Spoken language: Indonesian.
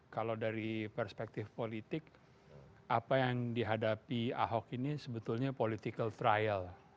kalau dari perspektif politik apa yang dihadapi ahok ini sebetulnya political trial